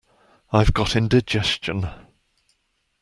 I've got indigestion.